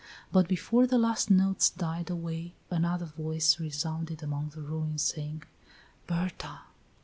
But before the last notes died away, another voice resounded among the ruins, saying: "Berta!